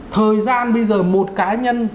thời gian bây giờ một cá nhân